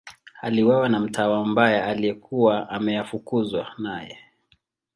Aliuawa na mtawa mbaya aliyekuwa ameafukuzwa naye.